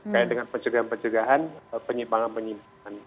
kayak dengan pencegahan pencegahan penyimpangan penyimpangan